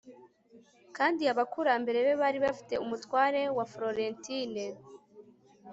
Kandi abakurambere be bari bafite umutware wa Florentine